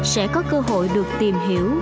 sẽ có cơ hội được tìm hiểu